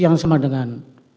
yang sama dengan